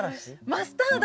マスタード。